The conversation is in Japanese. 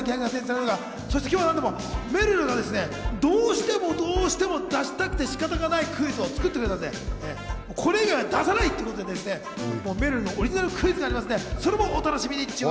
今日は、めるるがどうしてもどうしても出したくて仕方ないクイズを作ってくれたのでこれ以外は出さないということでめるるのオリジナルクイズがありますので、それも楽しみに。